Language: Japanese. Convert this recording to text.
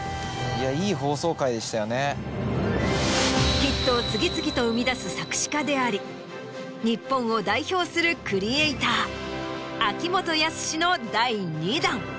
ヒットを次々と生み出す作詞家であり日本を代表するクリエイター秋元康の第２弾。